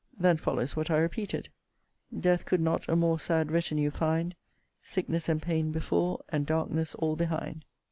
Then follows, what I repeated, Death could not a more sad retinue find, Sickness and pain before, and darkness all behind.